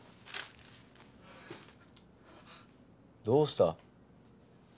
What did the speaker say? どうした？